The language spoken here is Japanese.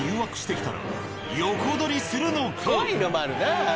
怖いのもあるなあ